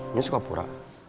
ini suka pura